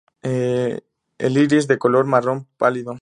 El iris es de color marrón pálido.